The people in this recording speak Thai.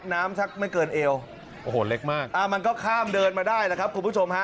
สักไม่เกินเอวโอ้โหเล็กมากอ่ามันก็ข้ามเดินมาได้แล้วครับคุณผู้ชมฮะ